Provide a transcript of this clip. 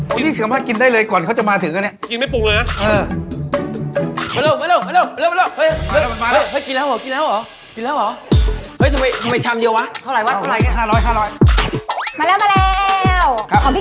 มาถาดกินได้เลยก่อนเขาจะมาถึงแล้วนี่